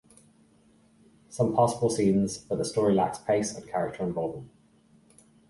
Some passable scenes, but the story lacks pace and character involvement.